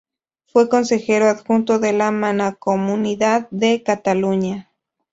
Fue consejero adjunto de la Mancomunidad de Cataluña.